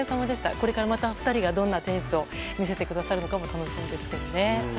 これからまた２人がどんなテニスを見せてくださるのかも楽しみですけどね。